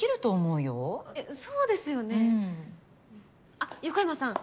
あっ横山さん。